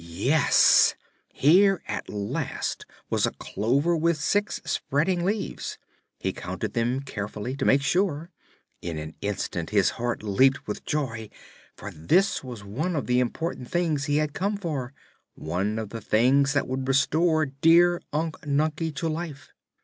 Yes; here at last was a clover with six spreading leaves. He counted them carefully, to make sure. In an instant his heart leaped with joy, for this was one of the important things he had come for one of the things that would restore dear Unc Nunkie to life.